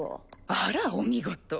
あらお見事。